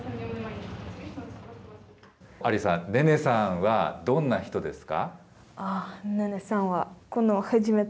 アリさん、ネネさんはどんな人ですか。